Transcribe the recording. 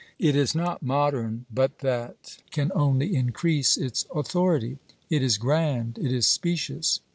It is not modern, but that can only increase its authority. It is grand, it is specious.